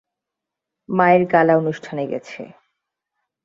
মায়ের গালা অনুষ্ঠানে গেছে।